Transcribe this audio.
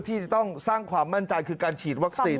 ที่จะต้องสร้างความมั่นใจคือการฉีดวัคซีน